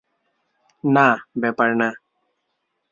না, ব্যাপার না।